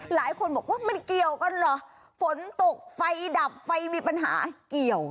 หลายคนบอกว่ามันเกี่ยวกันเหรอฝนตกไฟดับไฟมีปัญหาเกี่ยว